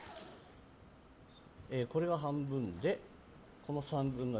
これ半分でその３分の１。